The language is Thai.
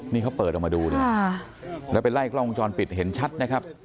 นี่เขาเปิดออกมาดูเนี่ยแล้วไปไล่กล้องวงจรปิดเห็นชัดนะครับ